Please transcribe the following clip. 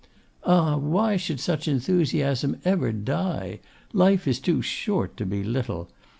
Ah! why should such enthusiasm ever die! Life is too short to be little.